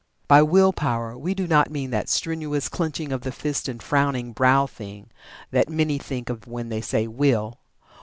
By Will power we do not mean that strenuous, clenching of fist and frowning brow thing that many think of when they say "Will."